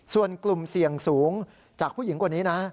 ส่วนกลุ่มเสี่ยงสูงจากผู้หญิงคนนี้นะ